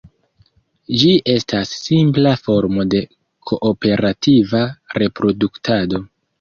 Ĝi estas simpla formo de kooperativa reproduktado.